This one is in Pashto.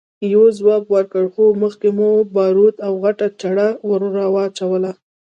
يوه ځواب ورکړ! هو، مخکې مو باروت او غټه چره ور واچوله!